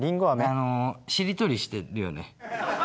あのしりとりしてるよね。